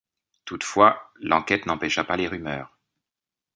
Toutefois, l'enquête n'empêcha pas les rumeurs.